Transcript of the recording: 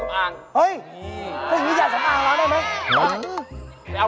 พร่อม